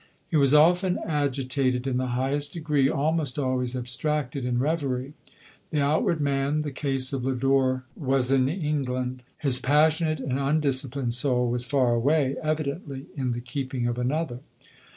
He was often agitated in the highest degree, almost always abstracted in reverie. The outward man — the case of Lodore was in England — his passionate and undisci plined soul was far away, evidently in the keep ing of another.